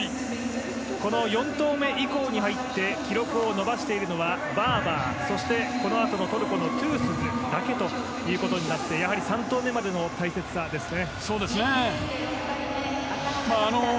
この４投目以降に入って記録を伸ばしているのはバーバー、そしてこのあとのトルコのトゥースズだけということになってやはり３投目までの大切さですね。